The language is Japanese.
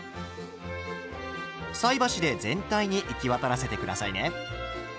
菜箸で全体に行き渡らせて下さいね。